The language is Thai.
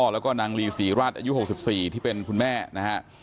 แล้วก็นางลีศรีราชอายุ๖๔ที่เป็นคุณแม่นะฮะ